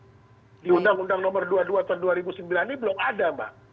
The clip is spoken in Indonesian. kalau yang diberikan ke undang nomor dua puluh dua tahun dua ribu sembilan ini belum ada mbak